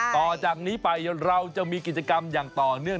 ต่อจากนี้ไปเราจะมีกิจกรรมอย่างต่อเนื่อง